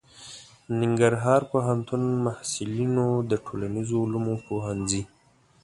ننګرهار پوهنتون محصلینو د ټولنیزو علومو پوهنځي